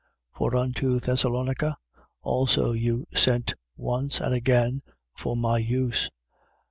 4:16. For unto Thessalonica also you sent once and again for my use.